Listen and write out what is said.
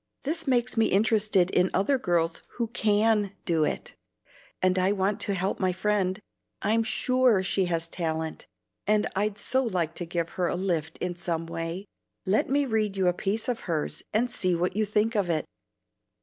This makes me interested in other girls who CAN do it, and I want to help my friend. I'm SURE she has talent, and I'd so like to give her a lift in some way. Let me read you a piece of hers and see what you think of it."